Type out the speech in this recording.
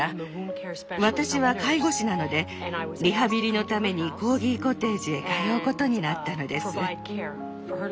私は介護士なのでリハビリのためにコーギコテージへ通うことになったのです。